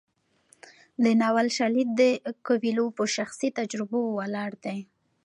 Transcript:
د ناول شالید د کویلیو په شخصي تجربو ولاړ دی.